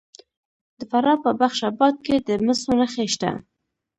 د فراه په بخش اباد کې د مسو نښې شته.